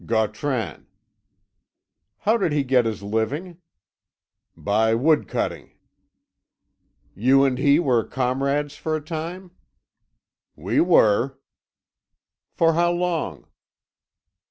"Gautran." "How did he get his living?" "By wood cutting." "You and he were comrades for a time?" "We were." "For how long?"